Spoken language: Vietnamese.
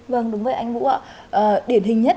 vâng đúng vậy anh vũ ạ điển hình nhất